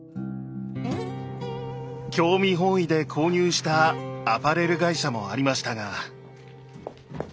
興味本位で購入したアパレル会社もありましたが。